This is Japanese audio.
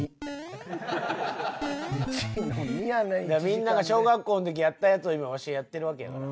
みんなが小学校の時にやってたやつを今わしがやってるわけやから。